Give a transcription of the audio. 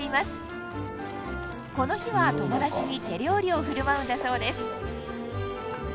この日は友達に手料理を振る舞うんだそうです